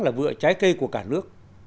là vựa trái cây của cả nước